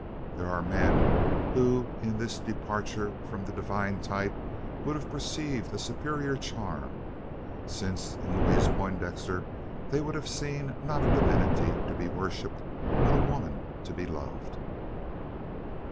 There are men, who, in this departure from the divine type, would have perceived a superior charm: since in Louise Poindexter they would have seen not a divinity to be worshipped, but a woman to be loved.